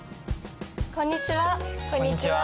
こんにちは。